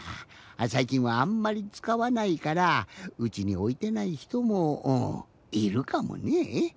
さいきんはあんまりつかわないからうちにおいてないひともいるかもねえ。